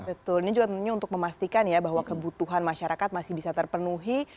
betul ini juga tentunya untuk memastikan ya bahwa kebutuhan masyarakat masih bisa terpenuhi